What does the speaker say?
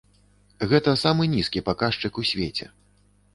Гэта самы нізкі паказчык у свеце.